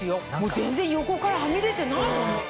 全然横からハミ出てないもん。